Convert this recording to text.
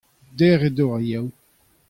dec'h edo ar Yaou.